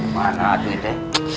mana tuh itu